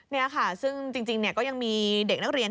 นี่ค่ะซึ่งจริงก็ยังมีเด็กนักเรียน